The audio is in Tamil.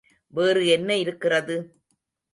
வேறு என்ன இருக்கிறது?